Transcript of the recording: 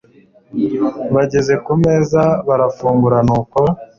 bageze kumeza barafungura nuko